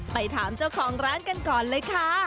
ไปถามเจ้าของร้านกันก่อนเลยค่ะ